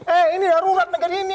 eh ini darurat negeri ini